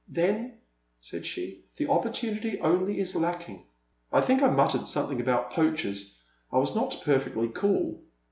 Tlien, said she, the opportunity only is lacking/' I think I muttered something about poachers — I was not perfectly cool.